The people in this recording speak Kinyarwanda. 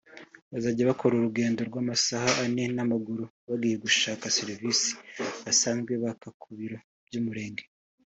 bazajya bakora urugendo rw’amasaha ane n’amaguru bagiye gushaka serivisi basanzwe baka ku biro by’umurenge